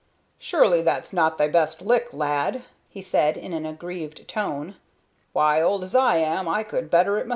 "Surely that's not thy best lick, lad," he said, in an aggrieved tone; "why, old as I am, I could better it mysel'."